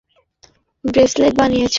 আমাদের জন্য ব্রেসলেট বানিয়েছ?